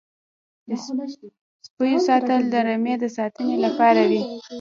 د سپیو ساتل د رمې د ساتنې لپاره وي.